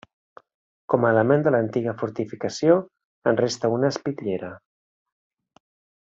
Com a element de l'antiga fortificació en resta una espitllera.